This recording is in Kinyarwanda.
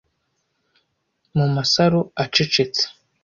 mu masaro acecetse